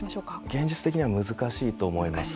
現実的には難しいと思います。